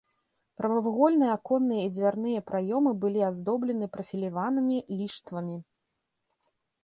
Прамавугольныя аконныя і дзвярныя праёмы былі аздоблены прафіляванымі ліштвамі.